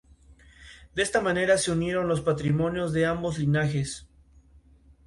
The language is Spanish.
En un futuro, los cyborg guerreros son la clase dominante.